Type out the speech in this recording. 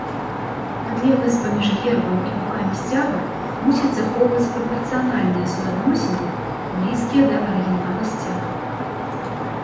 Адлегласць паміж гербам і бакамі сцяга мусіць захоўваць прапарцыянальныя суадносіны, блізкія да арыгінала сцяга.